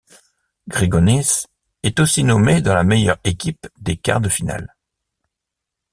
Grigonis est aussi nommé dans la meilleure équipe des quarts-de-finale.